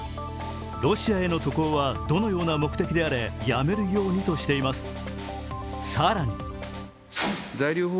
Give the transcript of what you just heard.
ロシアへの渡航はどのような目的であれ、やめるようにとしています